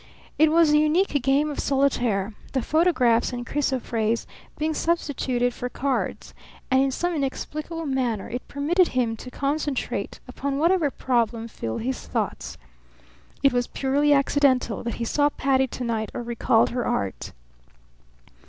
It was a unique game of solitaire, the photographs and chrysoprase being substituted for cards; and in some inexplicable manner it permitted him to concentrate upon whatever problem filled his thoughts. It was purely accidental that he saw Patti to night or recalled her art.